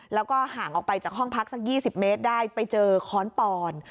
แล้วก็ห่างออกไปจากห้องพักสัก๒๐เมตรได้ไปเจอค้อนปอน